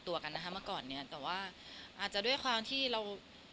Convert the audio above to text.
แต่ว่าอาจจะด้วยความที่เรา